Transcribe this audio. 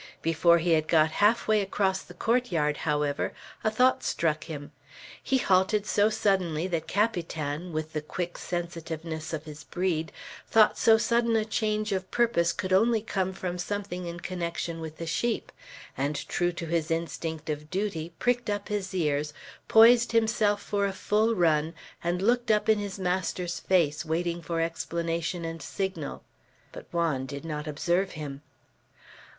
Before he had got half way across the court yard, however, a thought struck him. He halted so suddenly that Capitan, with the quick sensitiveness of his breed, thought so sudden a change of purpose could only come from something in connection with sheep; and, true to his instinct of duty, pricked up his ears, poised himself for a full run, and looked up in his master's face waiting for explanation and signal. But Juan did not observe him.